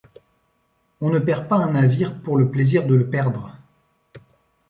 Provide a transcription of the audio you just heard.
On ne perd pas un navire pour le plaisir de le perdre.